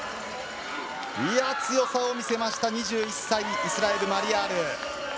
強さを見せました２１歳、イスラエルマリヤール。